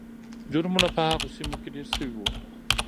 جرمونه په هغو سیمو کې ډېر سوي وو.